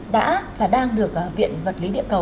đã và đang được viện vật lý địa cầu